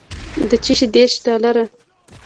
د چشي دېرش ډالره.